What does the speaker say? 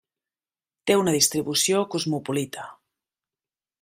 Té una distribució cosmopolita.